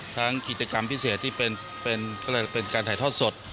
กิจกรรมพิเศษที่เป็นการถ่ายทอดสด